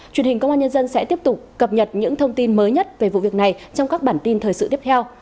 truyền hình công an nhân dân sẽ tiếp tục cập nhật những thông tin mới nhất về vụ việc này trong các bản tin thời sự tiếp theo